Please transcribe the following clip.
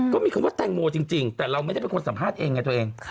ก็มีคำว่าแตงโมจริงแต่เราไม่ได้เป็นคนสัมภาษณ์เองไงตัวเอง